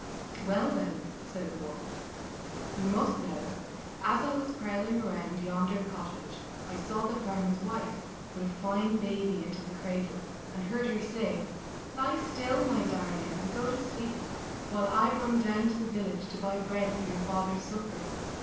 "Well, then," said the Wolf, "you must know, as I was prowling around yonder cottage I saw the farmer's wife put a fine baby into the cradle, and heard her say: 'Lie still, my darling, and go to sleep, while I run down to the village to buy bread for your father's supper.